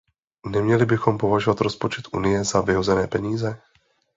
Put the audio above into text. Neměli bychom považovat rozpočet Unie za vyhozené peníze.